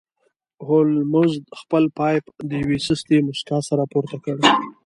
هولمز خپل پایپ د یوې سستې موسکا سره پورته کړ